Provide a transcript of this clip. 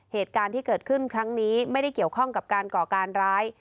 เหตุการณ์ที่เกิดขึ้นครั้งนี้ไม่ได้เกี่ยวข้องกับการก่อการร้าย